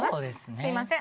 すみません。